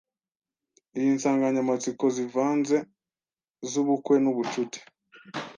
iyi nsanganyamatsiko zivanze zubukwe nubucuti